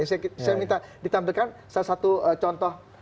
saya minta ditampilkan salah satu contoh